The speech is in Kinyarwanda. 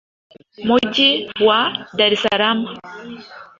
mu Mujyi wa Dar es Salaam